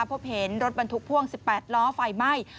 พบเห็นรถบรรทุกพ่วง๑๘ล้อไฟไหม้